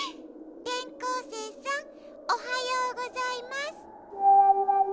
てん校せいさんおはようございます。